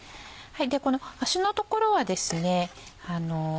この足の所はですね